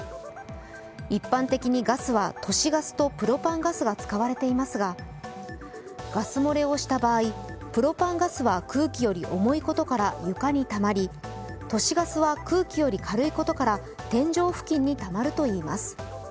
一般的にガスは都市ガスとプロパンガスが使われていますが、ガス漏れをした場合、プロパンガスは空気より重いことから床にたまり都市ガスは空気より軽いことから天井付近にたまるといいます。